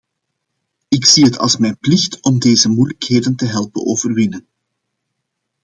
Ik zie het als mijn plicht om deze moeilijkheden te helpen overwinnen.